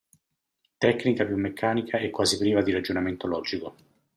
Tecnica più meccanica e quasi priva di ragionamento logico.